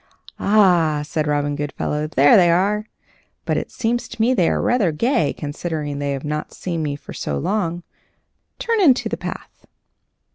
"Ah!" said Robin Goodfellow, "there they are! But it seems to me they are rather gay, considering they have not seen me for so long. Turn into the path."